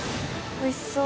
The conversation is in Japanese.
おいしそう。